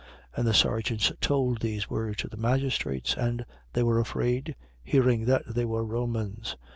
And the serjeants told these words to the magistrates. And they were afraid: hearing that they were Romans.